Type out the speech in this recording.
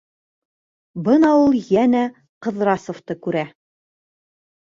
Бына ул йәнә Ҡыҙрасовты күрә.